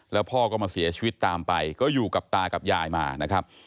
แล้วพ่อก็มาเสียชีวิตตามไปก็อยู่กับตากับยายมานะครับ